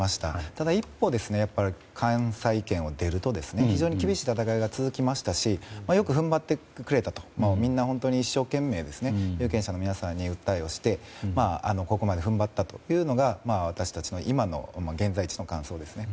ただ、一方、関西圏を出ると非常に厳しい戦いが続きましたしよく踏ん張ってくれたとみんな一生懸命有権者の皆さんに訴えをしてここまで踏ん張ったというのが私たちの今の現在地の感想ですね。